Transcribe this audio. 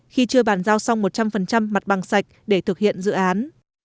khi chưa bàn giao xong một trăm linh mặt bằng sạch để thực hiện dự án